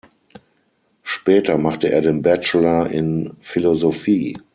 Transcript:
Später machte er den Bachelor in Philosophie.